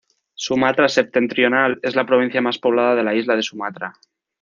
Sumatra Septentrional es la provincia más poblada de la isla de Sumatra.